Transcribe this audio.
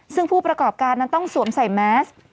ซึ่งผู้ประกอบการนั้นต้องสวมใส่แมส